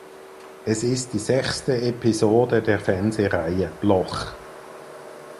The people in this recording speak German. Es ist die sechste Episode der Fernsehreihe "Bloch".